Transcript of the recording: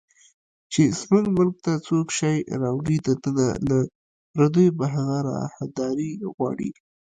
چې زموږ ملک ته څوک شی راوړي دننه، له پردیو به هغه راهداري غواړي